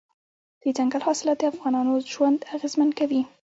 دځنګل حاصلات د افغانانو ژوند اغېزمن کوي.